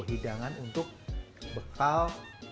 hidangan untuk bekal